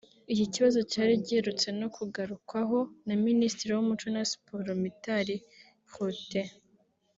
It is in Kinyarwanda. Iki kibazo cyari giherutse no kugarukwaho na Minisitiri w’Umuco na Siporo Mitali Protais